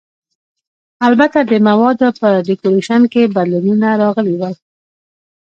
البته د موادو په ډیکورېشن کې بدلونونه راغلي ول.